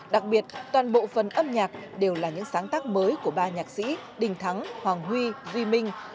đặc biệt toàn bộ phần âm nhạc đều là những sáng tác mới của ba nhạc sĩ đình thắng hoàng huy duy minh